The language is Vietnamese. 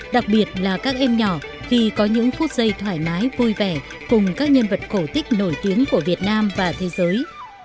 đặc biệt là các em nhỏ khi có những phút giây thoải mái vui vẻ cùng các nhân vật cổ tích nổi tiếng của việt nam và thế giới